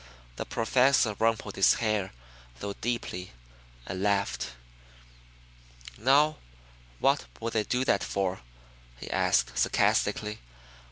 The Professor rumpled his hair, though deeply, and laughed. "Now what would they do that for!" he asked sarcastically.